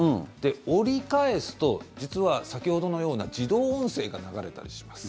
折り返すと実は先ほどのような自動音声が流れたりします。